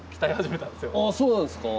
あぁそうなんですか？